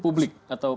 publik atau pak